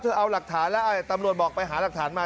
เอาหลักฐานแล้วตำรวจบอกไปหาหลักฐานมา